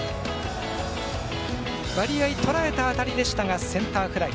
割合、とらえたあたりでしたがセンターフライ。